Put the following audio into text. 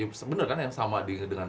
ya sebenernya kan yang sama dengan